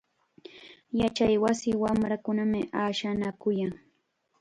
Yachaywasi wamrakunam ashanakuyan.